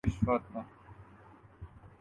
خدا کے حضور سجدے میں گرنے کو دل کرتا تھا